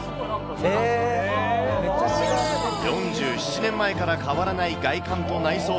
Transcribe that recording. ４７年前から変わらない外観と内装。